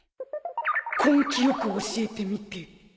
根気よく教えてみて